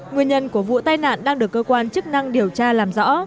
nguyên nhân của vụ tai nạn đang được cơ quan chức năng điều tra làm rõ